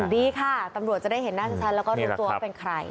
ดีค่ะตำรวจจะได้เห็นหน้าชัดแล้วก็รู้ตัวว่าเป็นใคร